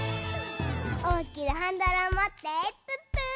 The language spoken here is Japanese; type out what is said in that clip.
おおきなハンドルをもってプップー！